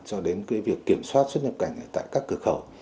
cho đến việc kiểm soát xuất nhập cảnh tại các cửa khẩu